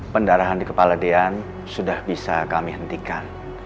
pendarahan di kepala dian sudah bisa kami hentikan